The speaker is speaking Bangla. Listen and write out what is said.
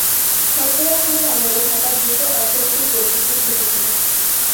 সরফরাজ খানের আমলে, ঢাকার দ্রুত অর্থনৈতিক প্রবৃদ্ধি ঘটেছিল।